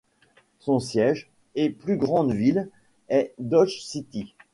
Son siège, et plus grande ville, est Dodge City.